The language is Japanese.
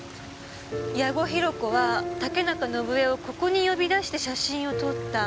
矢後弘子は竹中伸枝をここに呼び出して写真を撮った。